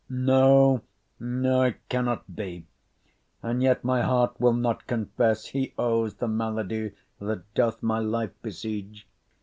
No, no, it cannot be; and yet my heart Will not confess he owes the malady That doth my life besiege.